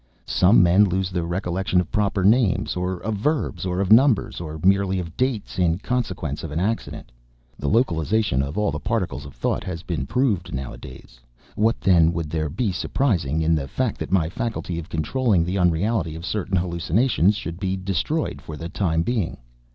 Some men lose the recollection of proper names, or of verbs, or of numbers, or merely of dates, in consequence of an accident. The localization of all the particles of thought has been proved nowadays; what then would there be surprising in the fact that my faculty of controlling the unreality of certain hallucinations should be destroyed for the time being!